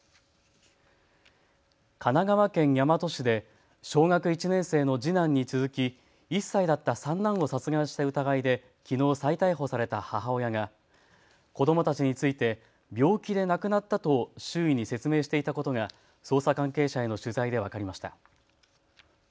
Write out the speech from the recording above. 神奈川県大和市で小学１年生の次男に続き、１歳だった三男を殺害した疑いできのう再逮捕された母親が子どもたちについて病気で亡くなったと周囲に説明していたことが捜査関係者への取材で分かりました。